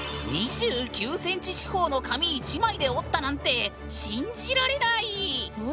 ２９の紙１枚で折ったなんて信じられない。